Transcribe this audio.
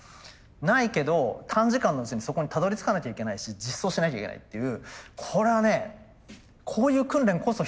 ないけど短時間のうちにそこにたどりつかなきゃいけないし実装しなきゃいけないっていうこれはねこういう訓練こそ必要。